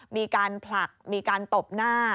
มีการผลักมีการตบหน้า